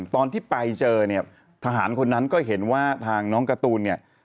ตอนที่ไปเจอทหารคนนั้นก็เห็นว่าทางน้องกระตูล